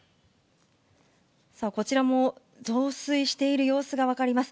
さあ、こちらも増水している様子が分かります。